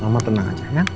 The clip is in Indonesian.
mama tenang aja ya